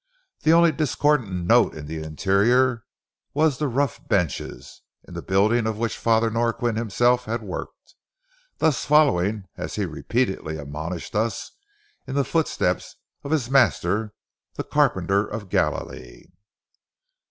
The only discordant note in the interior was the rough benches, in the building of which Father Norquin himself had worked, thus following, as he repeatedly admonished us, in the footsteps of his Master, the carpenter of Galilee.